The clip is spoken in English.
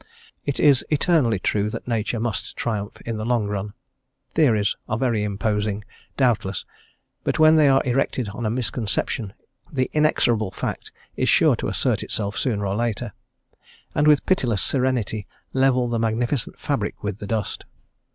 It is eternally true that nature must triumph in the long run. Theories are very imposing, doubtless, but when they are erected on a misconception the inexorable fact is sure to assert itself sooner or later, and with pitiless serenity level the magnificent fabric with the dust.